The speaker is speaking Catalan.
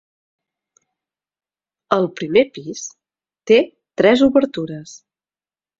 El primer pis té tres obertures.